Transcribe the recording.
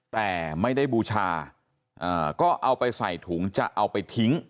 แต่ไม่ได้บูชาก็เอาไปใส่ถุงจะเอาไปทิ้ง